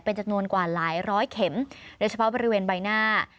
เป็นจำนวนกว่าหลายร้อยเข็มโดยเฉพาะบริเวณใบหน้า